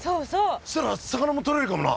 そしたら魚もとれるかもな。